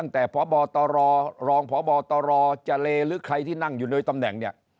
แต่พบตรรองพบตรจะเลหรือใครที่นั่งอยู่ในตำแหน่งเนี่ย